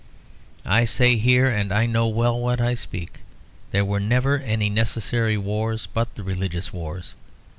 I say here, and I know well what I speak of, there were never any necessary wars but the religious wars.